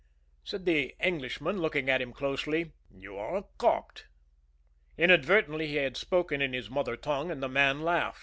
Said the Englishman, looking at him closely: "You are a Copt." Inadvertently he had spoken in his mother tongue and the man laughed.